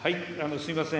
すみません。